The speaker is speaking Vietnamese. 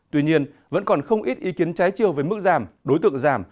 tuy nhiên vẫn còn không ít ý kiến trái chiều với mức giảm đối tượng giảm